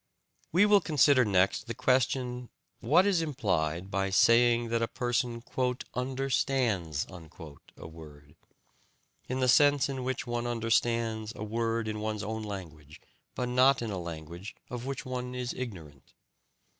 We will consider next the question what is implied by saying that a person "understands" a word, in the sense in which one understands a word in one's own language, but not in a language of which one is ignorant.